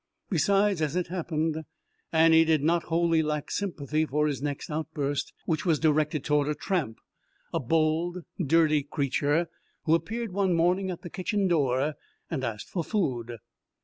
Besides, as it happened, Annie did not wholly lack sympathy for his next outburst, which was directed toward a tramp, a bold dirty creature who appeared one morning at the kitchen door and asked for food.